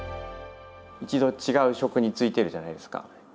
一度違う職に就いてるじゃないですか。